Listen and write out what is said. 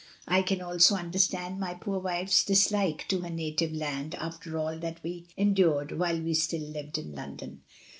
I can also understand my poor wife's dislike to her native land after all that we endured while we still lived in London.